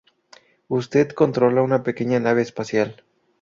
Usted controla una pequeña nave espacial.